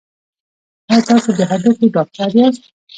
ایا تاسو د هډوکو ډاکټر یاست؟